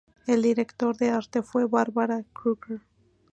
El director de arte fue Barbara Kruger.